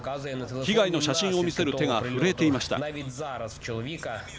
被害の写真を見せる手が震えていました。